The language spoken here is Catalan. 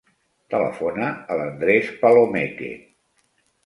Telefona a l'Andrés Palomeque.